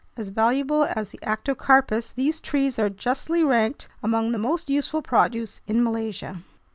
As valuable as the artocarpus, these trees are justly ranked among the most useful produce in Malaysia.